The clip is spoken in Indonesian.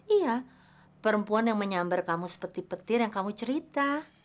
iya perempuan yang menyambar kamu seperti petir yang kamu cerita